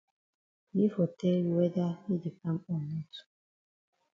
Yi for tell you whether yi di kam o not.